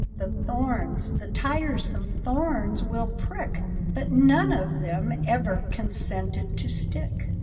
The thorns, the tiresome thorns, will prick, But none of them ever consented to stick!